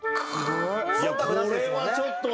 いやこれはちょっと。